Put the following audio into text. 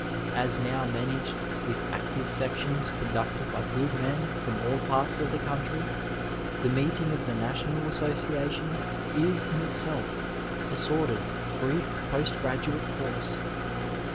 As now managed, with active sections conducted by good men from all parts of the country, the meeting of the National Association is in itself a sort of brief post graduate course.